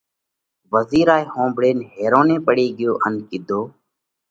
وزِير هائي ۿومڀۯينَ حيروني پڙي ڳيو ان ڪِيڌو: